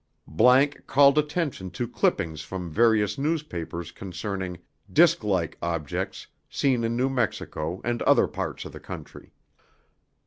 ____ called attention to clippings from various newspapers concerning "disc like" objects seen in New Mexico and other parts of the country.